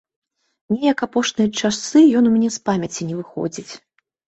Неяк апошнія часы ён у мяне з памяці не выходзіць.